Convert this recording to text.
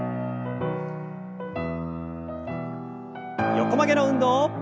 横曲げの運動。